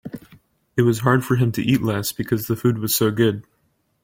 It was hard for him to eat less because the food was so good.